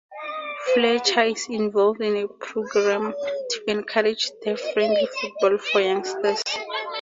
Fletcher is involved in a programme to encourage "Deaf Friendly Football" for youngsters.